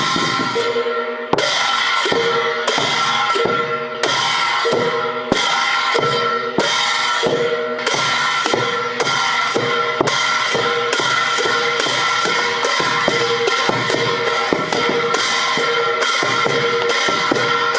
สวัสดีครับ